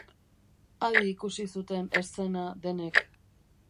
Adi ikusi zuten eszena denek.